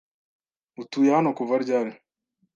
Utuye hano kuva ryari?